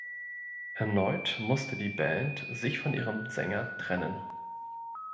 Erneut musste die Band sich von ihrem Sänger trennen.